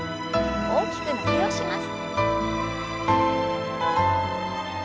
大きく伸びをします。